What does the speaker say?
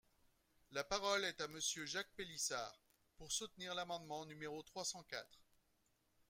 La parole est à Monsieur Jacques Pélissard, pour soutenir l’amendement numéro trois cent quatre.